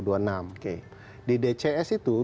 di dcs itu